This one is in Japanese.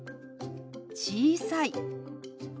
「小さい」。